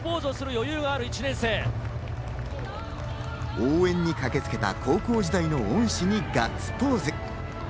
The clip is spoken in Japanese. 応援に駆けつけた高校時代の恩師にガッツポーズ。